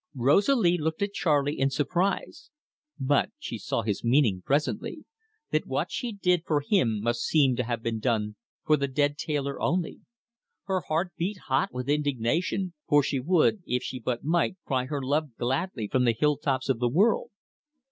Rosalie looked at Charley in surprise; but she saw his meaning presently that what she did for him must seem to have been done for the dead tailor only. Her heart beat hot with indignation, for she would, if she but might, cry her love gladly from the hill tops of the world.